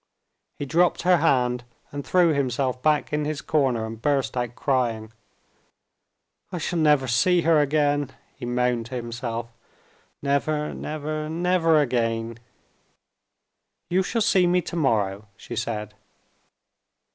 He dropped her hand, and threw himself back in his corner and burst out crying. "I shall never see her again," he moaned to himself. "Never, never, never again!" "You shall see me to morrow," she said.